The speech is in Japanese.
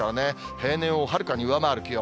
平年をはるかに上回る気温。